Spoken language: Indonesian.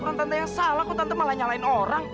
orang tante yang salah kok tante malah nyalain orang